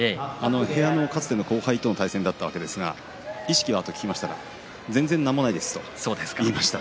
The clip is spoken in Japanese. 部屋のかつての後輩との対戦だったわけですが意識は？と聞きますと全然何もないですと言いました。